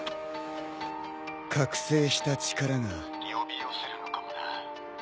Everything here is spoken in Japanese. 覚醒した力が呼び寄せるのかもな。